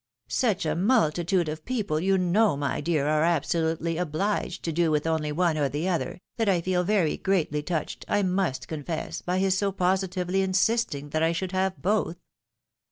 " Such a multitude of people, you know, my dear, are abso lutely obliged to do with only one or the other, that I feel very greatly touched, I must confess, by his so positively insisting that I should have both.